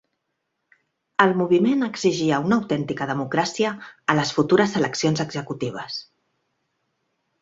El moviment exigia una autèntica democràcia a les futures eleccions executives.